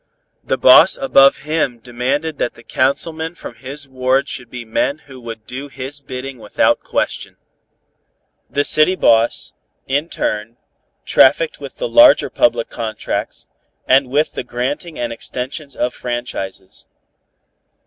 The boss above him demanded that the councilmen from his ward should be men who would do his bidding without question. The city boss, in turn, trafficked with the larger public contracts, and with the granting and extensions of franchises.